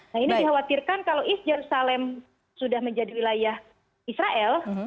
nah ini dikhawatirkan kalau yerusalem sudah menjadi wilayah israel